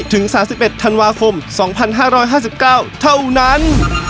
ถึง๓๑ธันวาคม๒๕๕๙เท่านั้น